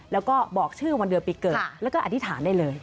แล้วก็บอกชื่อวันเดือนปีเกิดแล้วก็อธิษฐานได้เลย